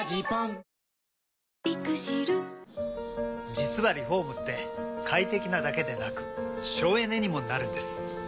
実はリフォームって快適なだけでなく省エネにもなるんです。